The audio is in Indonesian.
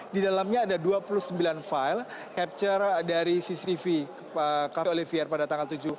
di dalamnya ada dua puluh sembilan file capture dari cctv cafe olivier pada tanggal tujuh belas